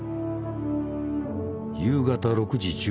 夕方６時１５分